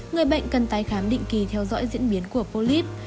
người bệnh cần tái khám định kỳ theo dõi diễn biến của polyp